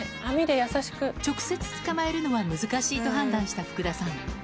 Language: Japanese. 直接捕まえるのは難しいと判断した福田さん。